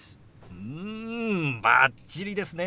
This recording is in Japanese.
うんバッチリですね。